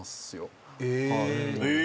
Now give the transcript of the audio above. え！